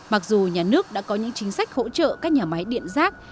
mặc dù nhà nước đã có những chính sách hỗ trợ các nhà máy điện rác